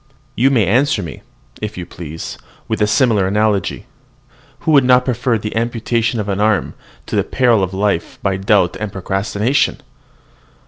You may answer me, if you please, with a similar analogy, "Who would not prefer the amputation of an arm to the periling of life by doubt and procrastination!"